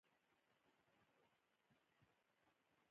ټول کلیوال سره لاس په لاس شول او د احمد ستونزه یې حل کړله.